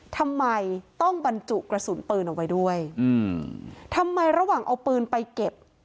ทำไมต้องบรรจุกระสุนปืนเอาไว้ด้วยอืมทำไมระหว่างเอาปืนไปเก็บ